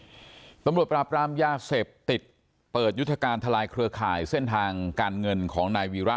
ตำรวจปราบรามยาเสพติดเปิดยุทธการทลายเครือข่ายเส้นทางการเงินของนายวีระ